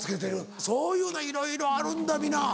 そういうのいろいろあるんだ皆。